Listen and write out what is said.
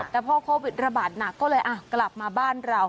แต่พอโควิดระบาดหนักก็เลยกลับมาบ้านเรา